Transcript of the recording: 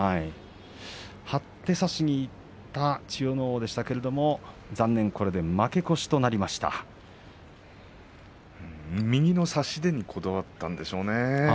張って差しにいった千代ノ皇でしたが残念右の差し手にこだわったんでしょうね。